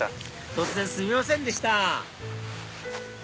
突然すみませんでした